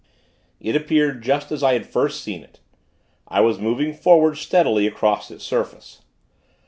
It appeared just as I had first seen it. I was moving forward, steadily, across its surface.